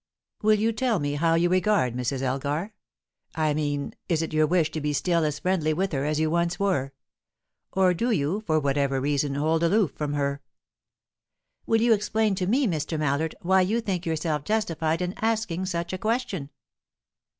Will you tell me how you regard Mrs. Elgar? I mean, is it your wish to be still as friendly with her as you once were? Or do you, for whatever reason, hold aloof from her?" "Will you explain to me, Mr. Mallard, why you think yourself justified in asking such a question?"